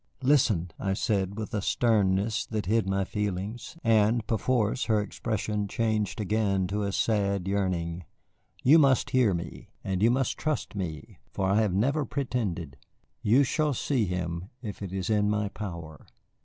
"Listen," I said, with a sternness that hid my feelings, and perforce her expression changed again to a sad yearning, "you must hear me. And you must trust me, for I have never pretended. You shall see him if it is in my power."